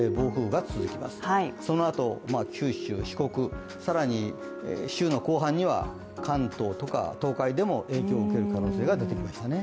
そのあと、九州、四国更に週の後半には関東とか東海でも影響を受ける可能性が出てきましたね。